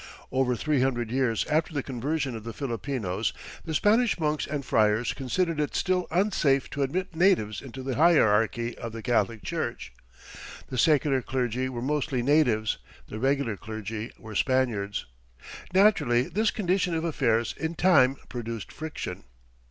Over three hundred years after the conversion of the Filipinos, the Spanish monks and friars considered it still unsafe to admit natives into the hierarchy of the Catholic Church. The secular clergy were mostly natives, the regular clergy were Spaniards. Naturally this condition of affairs in time produced friction.